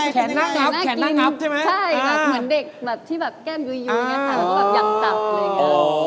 ใช่เหมือนเด็กแก้มยูยูงี้ก็อย่างจับเลย